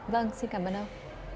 vâng xin cảm ơn ông